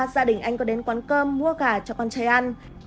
gia đình anh có đến quán cơm mua gà cho con trai ăn